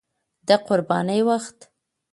د قربانۍ وخت